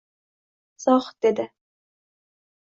Zohid dedi